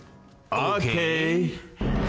ＯＫ。